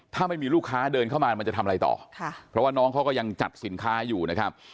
ถ้าไม่มีลูกค้าเดินเข้ามามันจะทำอะไรต่อค่ะเพราะว่าน้องเขาก็ยังจัดสินค้าอยู่นะครับ